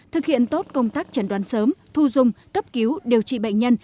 thực hiện tốt công tác chẩn đoán sớm thu dung cấp cứu điều trị bệnh nhân